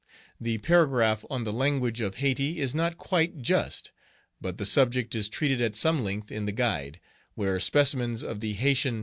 The paragraph on the language of Hayti is not quite just; but the subject is treated at some length in the Guide, where specimens of the Haytian patois are given.